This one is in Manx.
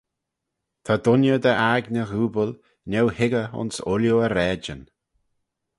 Ta dooinney dy aigney ghooble neuhickyr ayns ooilley e raaidyn.